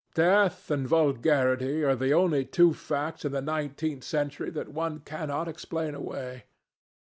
Death and vulgarity are the only two facts in the nineteenth century that one cannot explain away.